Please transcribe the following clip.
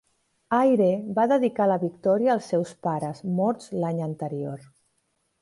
Ayre va dedicar la victòria als seus pares, morts l'any anterior.